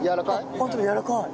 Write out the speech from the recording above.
ホントだやわらかい。